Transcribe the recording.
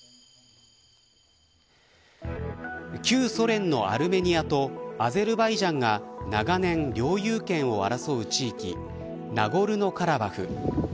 旧ソ連のアルメニアとアゼルバイジャンが、長年領有権を争う地域ナゴルノカラバフ。